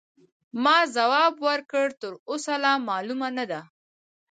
ما ځواب ورکړ: تراوسه لا معلومه نه ده.